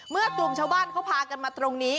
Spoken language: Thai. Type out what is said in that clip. เมื่อกลุ่มชาวบ้านเขาพากันมาตรงนี้